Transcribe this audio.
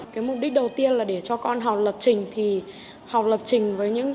cái mục đích đầu tiên là để cho con học lập trình thì học lập trình với những